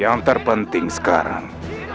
yang terpenting sekarang